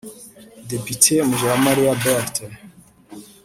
Depite Mujawamaliya Berthe